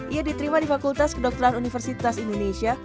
ia diterima di fakultas kedokteran universitas indonesia